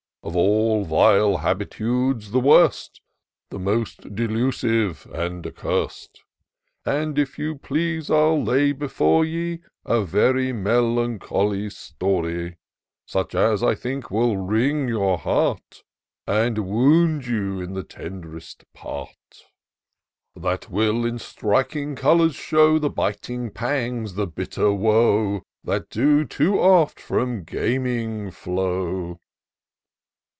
Of all vile habitudes the worst. The most delusive and accurst : And, if you please, I'll lay before you A very melancholy story ; Such as, I think, will wring your heart, „ And wound you in the tend'rest part; That will in striking colours show The biting pangs — the bitter woe. That do, too oft, from gaming flow."